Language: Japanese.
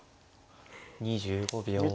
２５秒。